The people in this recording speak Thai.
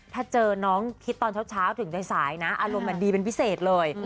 ถ้าเจอน้องคิดตอนเช้าถึงสายนะอารมณ์มันดีเป็นพิเศษเลย